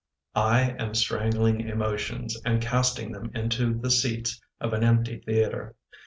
I AM strangling emotions And casting them into the seats Of an empty theatre.